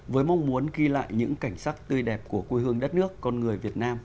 với mong muốn ghi lại những cảnh sắc tươi đẹp của quê hương đất nước con người việt nam